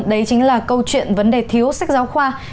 đấy chính là câu chuyện vấn đề thiếu sách giáo khoa